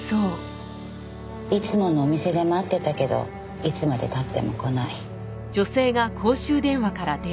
いつものお店で待ってたけどいつまでたっても来ない。